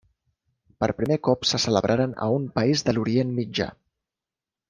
Per primer cop se celebraren a un país de l'Orient Mitjà.